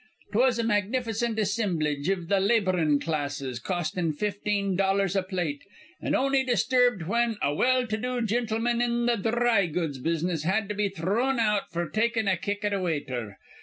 'Twas a magnificent assimblage iv th' laborin' classes, costin' fifteen dollars a plate, an' on'y disturbed whin a well to do gintleman in th' dhry goods business had to be thrun out f'r takin' a kick at a waiter.